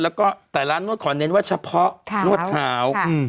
แล้วก็แต่ร้านนวดขอเน้นว่าเฉพาะนวดขาว